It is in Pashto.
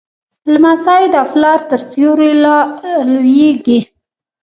لمسی د پلار تر سیوري لویېږي.